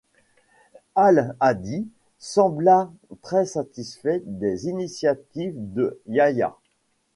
Al-Hâdî sembla très satisfait des initiatives de Yaḥyā.